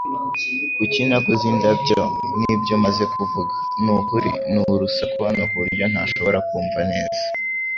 Kuki naguze indabyo Nibyo umaze kuvuga Nukuri ni urusaku hano kuburyo ntashobora kumva neza